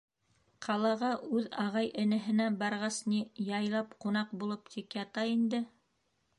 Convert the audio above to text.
Ҡалаға, үҙ ағай-энеһенә барғас ни, яйлап ҡунаҡ булып тик ята инде.